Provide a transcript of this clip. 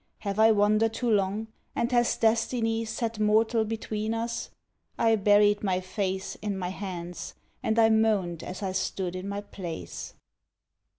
... Have I wandered too long, and has destiny Set mortal between us?” I buried my face In my hands, and I moaned as I stood in my place.